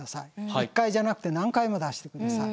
１回じゃなくて何回も出してください。